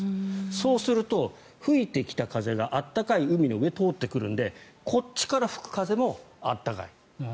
そうすると、吹いてきた風が暖かい海の上を通ってくるのでこっちから吹く風も暖かい。